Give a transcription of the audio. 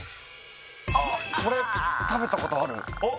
あっこれ食べたことあるああ